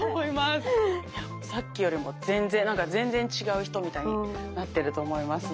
さっきよりも全然なんか全然違う人みたいになってると思いますので。